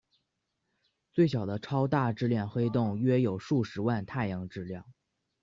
最小的超大质量黑洞约有数十万太阳质量。